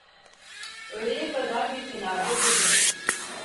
Öğleye kadar bir kenarda durdu.